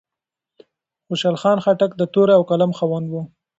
خوشال خان خټک د تورې او قلم خاوند و.